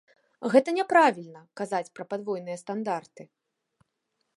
Гэта няправільна, казаць пра падвойныя стандарты.